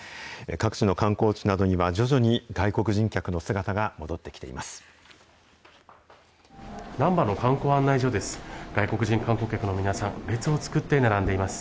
各地の観光地などには、徐々に外国人客の姿が戻ってきています。